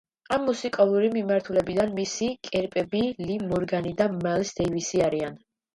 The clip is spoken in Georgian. ამ მუსიკალური მიმართულებიდან მისი კერპები ლი მორგანი და მაილს დეივისი არიან.